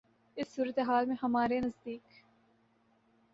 اس صورتِ حال میں ہمارے نزدیک